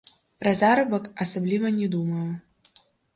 Пра заробак асабліва не думаю.